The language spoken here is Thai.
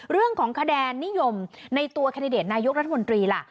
เรื่องของคะแนนนิยมในตัวแคนดิเดตนายกรัฐมนตรีล่ะ